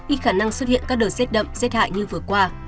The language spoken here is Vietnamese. ít khả năng xuất hiện các đợt rét đậm rét hại như vừa qua